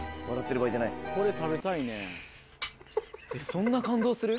そんな感動する？